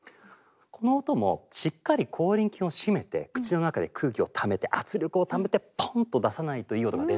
この音もしっかり口輪筋を締めて口の中で空気をためて圧力をためてポンと出さないといい音が出ないんですよね。